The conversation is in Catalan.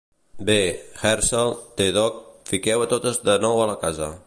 Bé, Hershel, T-Dog, fiqueu a totes de nou a la casa.